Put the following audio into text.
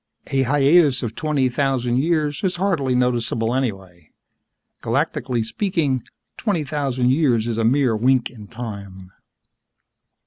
A hiatus of twenty thousand years is hardly noticeable anyway. Galactically speaking, twenty thousand years is a mere wink in time.